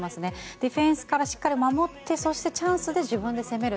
ディフェンスからしっかり守ってそして、チャンスで自分で攻める。